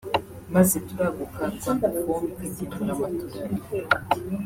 maze turaguka Rwanda Foam ikagemura matola i Burundi